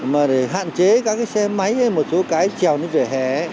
mà để hạn chế các cái xe máy hay một số cái trèo như vỉa hè